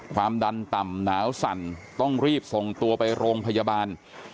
ความดันต่ำหนาวสั่นต้องรีบส่งตัวไปโรงพยาบาล